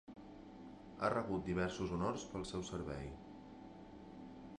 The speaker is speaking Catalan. Ha rebut diversos honors pel seu servei.